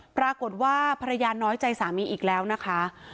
ปรากฏว่าภรรยาน้อยใจสามีอีกแล้วนะคะ